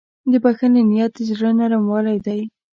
د بښنې نیت د زړه نرموالی دی.